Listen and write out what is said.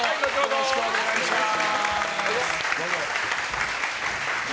よろしくお願いします。